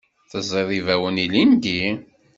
Teẓẓiḍ ibawen ilindi?